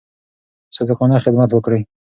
صادقانه خدمت وکړئ.